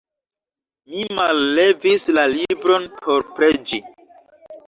Mi mallevis la libron por preĝi.